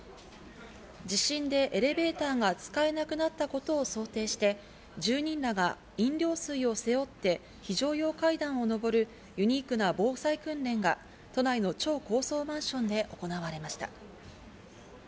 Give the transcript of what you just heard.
地震でエレベーターが使えなくなったことを想定して住人らが飲料水を背負って非常用階段を上るユニークな防災訓練が都内の超高層マンションで行われました。